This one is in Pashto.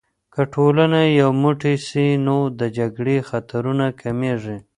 که ټولنه یو موټی سي، نو د جګړې خطرونه کمېږي.